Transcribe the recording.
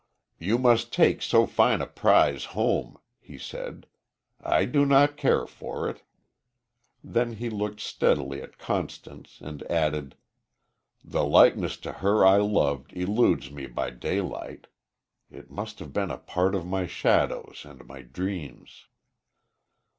"You must take so fine a prize home," he said. "I do not care for it." Then he looked steadily at Constance and added: "The likeness to her I loved eludes me by daylight. It must have been a part of my shadows and my dreams."